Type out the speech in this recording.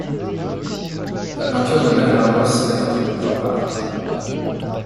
La peinture de Mel Ramos fait partie du pop art.